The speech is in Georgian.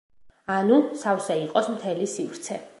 ანუ, სავსე იყოს მთელი სივრცე.